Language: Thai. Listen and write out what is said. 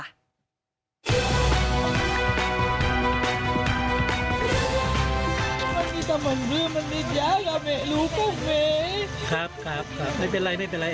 มันมีตำแหน่งมันมีเย้าอย่างไม่รู้เปล่าไหมครับครับครับไม่เป็นไรไม่เป็นไร